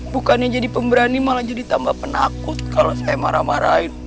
bukannya jadi pemberani malah jadi tambah penakut kalau saya marah marahin